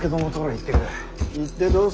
行ってどうする。